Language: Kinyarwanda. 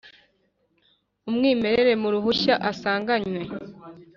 umwimerere wu ruhushya asanganywe;